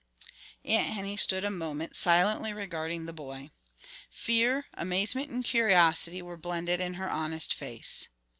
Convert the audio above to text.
Aunt Henny stood a moment silently regarding the boy. Fear, amazement and curiosity were blended in her honest face.